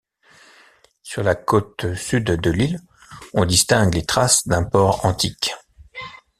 Sur la côte sud de l'île, on distingue les traces d'un port antique.